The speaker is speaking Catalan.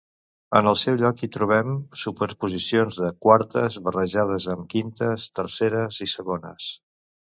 En el seu lloc hi trobem superposicions de quartes, barrejades amb quintes, terceres i segones.